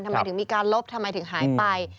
ทำไมถึงมีการลบทำไมถึงหายไป